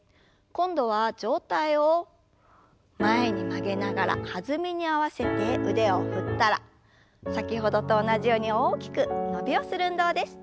今度は上体を前に曲げながら弾みに合わせて腕を振ったら先ほどと同じように大きく伸びをする運動です。